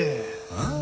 ああ。